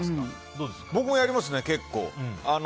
僕はやりますね、結構。